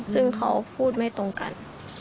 ซึ่งเขาพูดไม่ตรงกัน